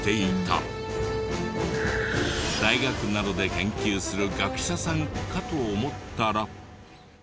大学などで研究する学者さんかと思ったら。